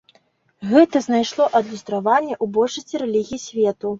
Гэта знайшло адлюстраванне ў большасці рэлігій свету.